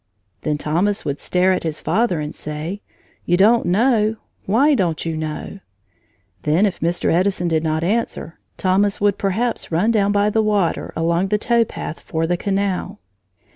Then Thomas would stare at his father and say: "You don't know! Why don't you know?" Then, if Mr. Edison did not answer, Thomas would perhaps run down by the water, along the tow path for the canal.